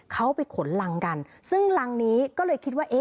เขาเป็นขนลังกันซึ่งลังนี้ก็เลยคิดว่า